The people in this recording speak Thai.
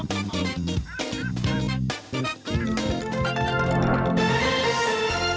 โปรดติดตามตอนต่อไป